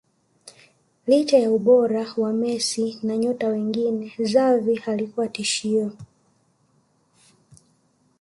Licha ya ubora wa Messi na nyota wengine Xavi alikuwa tishio